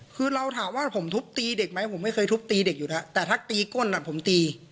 คือเราถามว่าผมทุบตีเด็กไหมผมไม่เคยทุบตีเด็กอยู่แล้วแต่ถ้าตีก้นผมตี